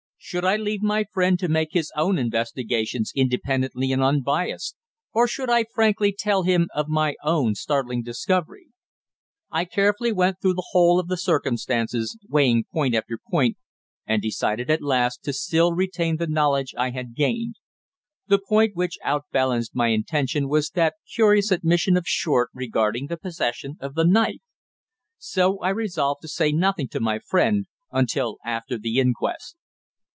Should I leave my friend to make his own investigations independently and unbiassed, or should I frankly tell him of my own startling discovery? I carefully went through the whole of the circumstances, weighing point after point, and decided at last to still retain the knowledge I had gained. The point which outbalanced my intention was that curious admission of Short regarding the possession of the knife. So I resolved to say nothing to my friend until after the inquest.